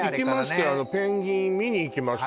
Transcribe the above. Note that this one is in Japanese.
あれからねペンギン見に行きました